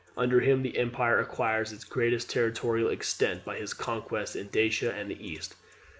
Under him the empire acquires its greatest territorial extent by his conquests in Dacia and in the East.